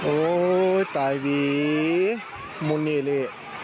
โอ้ยตายดีมุนิเล่